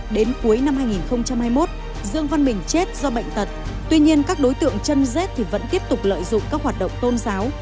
đến cuối năm hai nghìn hai mươi một dương văn bình chết do bệnh tật tuy nhiên các đối tượng chân dết thì vẫn tiếp tục lợi dụng các hoạt động tôn giáo